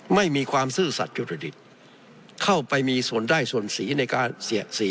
ไม่มีความซื่อสัตยุติฤทธิ์เข้าไปมีส่วนได้ส่วนเสีย